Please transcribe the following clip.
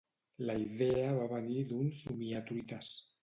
La idea va venir d'un somiatruites.